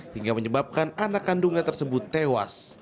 hingga menyebabkan anak kandungnya tersebut tewas